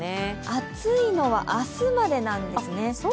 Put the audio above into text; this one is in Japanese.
暑いのは明日までなんですね。